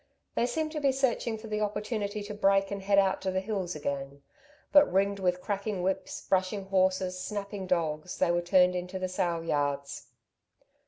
They seemed to be searching for the opportunity to break and head out to the hills again; But ringed with cracking whips, brushing horses, snapping dogs, they were turned into the sale yards.